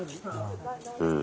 うん。